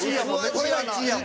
これが１位やもん。